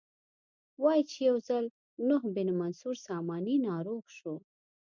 وایي چې یو ځل نوح بن منصور ساماني ناروغ شو.